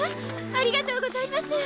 ありがとうございます。